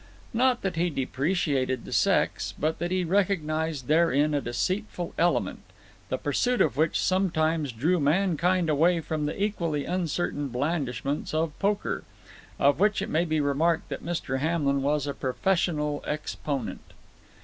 Not that he depreciated the sex, but that he recognized therein a deceitful element, the pursuit of which sometimes drew mankind away from the equally uncertain blandishments of poker of which it may be remarked that Mr. Hamlin was a professional exponent.